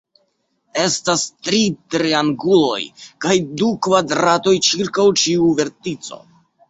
Estas tri trianguloj kaj du kvadratoj ĉirkaŭ ĉiu vertico.